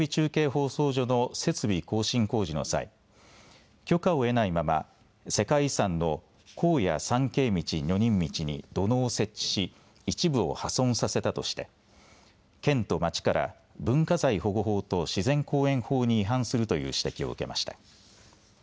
放送所の設備更新工事の際、許可を得ないまま世界遺産の高野参詣道女人道に土のうを設置し一部を破損させたとして県と町から文化財保護法と自然公園法に違反するという指摘を受けました。